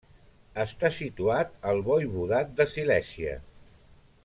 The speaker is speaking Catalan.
Està situat al voivodat de Silèsia.